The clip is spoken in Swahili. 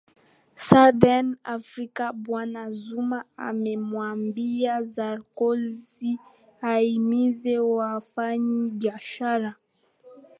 southern african bwana zuma amemwambia sarkozy ahimize wafanyi biashara